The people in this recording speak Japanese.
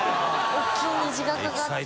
大きい虹がかかってる。